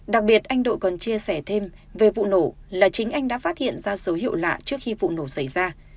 đặc biệt anh đội còn chia sẻ thêm về vụ nổ là chính anh đã phát hiện ra số hiệu lạ trước khi vụ nổ xảy ra